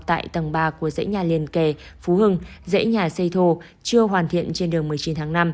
tại tầng ba của dãy nhà liền kề phú hưng dễ nhà xây thô chưa hoàn thiện trên đường một mươi chín tháng năm